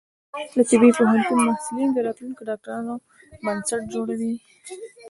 د طبی پوهنتون محصلین د راتلونکي ډاکټرانو بنسټ جوړوي.